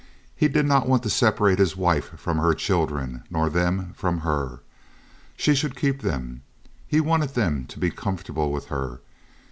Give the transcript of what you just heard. He did not want to separate his wife from her children, nor them from her. She should keep them. He wanted them to be comfortable with her.